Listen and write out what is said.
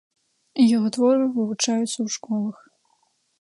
Яго творы вывучаюцца ў школах.